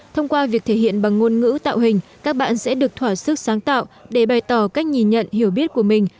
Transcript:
thông qua việc thể hiện bằng ngôn ngữ tạo hình các bạn sẽ được thỏa sức sáng tạo để bày tỏ cách nhìn nhận hiểu biết của mình